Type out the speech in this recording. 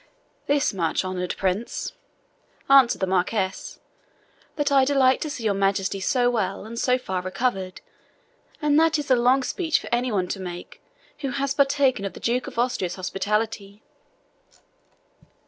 "Thus much, honoured Prince," answered the Marquis, "that I delight to see your Majesty so well, and so far recovered; and that is a long speech for any one to make who has partaken of the Duke of Austria's hospitality."